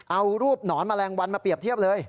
เอารูปหนอนแมลงวันมาเปรียบเทียบเลย